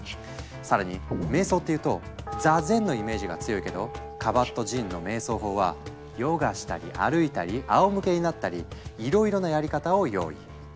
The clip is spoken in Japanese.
更に瞑想っていうと「座禅」のイメージが強いけどカバットジンの瞑想法はヨガしたり歩いたりあおむけになったりいろいろなやり方を用意。